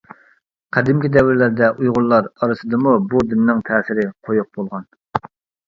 قەدىمكى دەۋرلەردە ئۇيغۇرلار ئارىسىدىمۇ بۇ دىننىڭ تەسىرى قويۇق بولغان.